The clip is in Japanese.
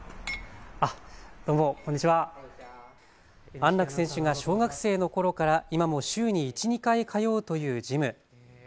安楽選手が小学生のころから今も週に１、２回通うというジム。